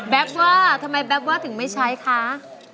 ว่าทำไมแป๊บว่าถึงไม่ใช้คะ